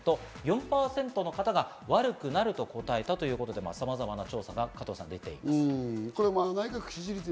４％の方が悪くなると答えたということで、さまざまな調査が出ています。